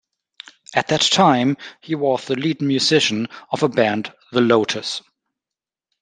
At that time, he was the lead musician of a band The Lotus.